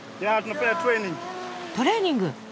トレーニング。